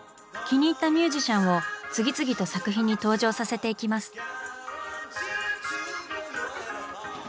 気に入ったミュージシャンを次々と作品に登場させていきます。